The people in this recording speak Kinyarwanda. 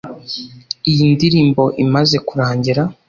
Iyi ndirimbo imaze kurangira